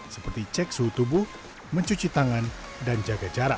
seperti cek suhu tubuh mencuci tangan dan jaga jarak